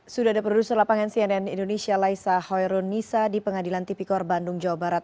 sudah ada produser lapangan cnn indonesia laisa hoyrun nisa di pengadilan tipikor bandung jawa barat